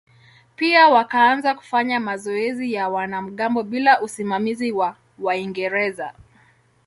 Pia wakaanza kufanya mazoezi ya wanamgambo bila usimamizi wa Waingereza.